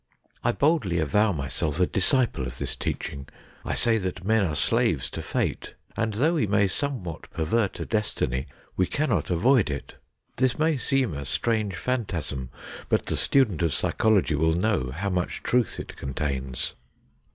I boldly avow myself a disciple of this teaching. I say that men are slaves to Fate ; and though we may somewhat pervert a destiny we cannot avoid it. This may seem a THE CHINA DOG 123 strange phantasm, but the student of psychology will know how much truth it contains.